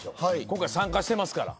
今回参加してますから。